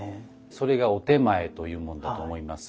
それがお点前というものだと思います。